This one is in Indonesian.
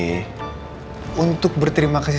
eh untuk berterima kasih